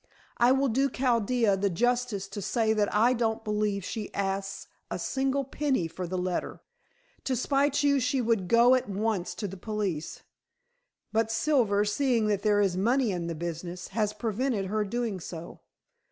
I will do Chaldea the justice to say that I don't believe she asks a single penny for the letter. To spite you she would go at once to the police. But Silver, seeing that there is money in the business, has prevented her doing so.